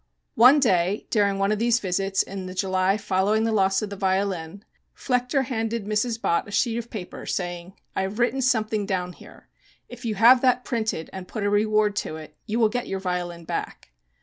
One day during one of these visits in the July following the loss of the violin Flechter handed Mrs. Bott a sheet of paper, saying: "I have written something down here. If you have that printed and put a reward to it you will get your violin back."